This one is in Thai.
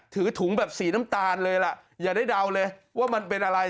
ถือถุงแบบสีน้ำตาลเลยล่ะอย่าได้เดาเลยว่ามันเป็นอะไร